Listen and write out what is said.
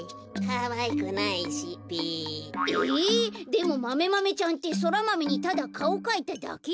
かわいくないしべ。え！？でもマメマメちゃんってソラマメにただかおかいただけでしょ。